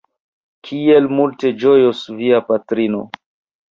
Kiel multe ĝojos via patrino!